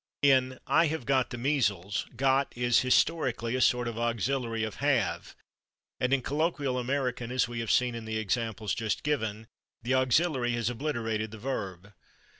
In "I have /got/ the measles" /got/ is historically a sort of auxiliary of /have/, and in colloquial American, as we have seen in the examples just given, the auxiliary has obliterated the verb.